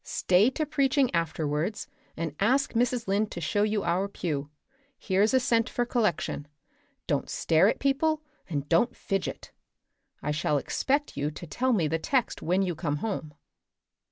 Stay to preaching afterwards and ask Mrs. Lynde to show you our pew. Here's a cent for collection. Don't stare at people and don't fidget. I shall expect you to tell me the text when you come home."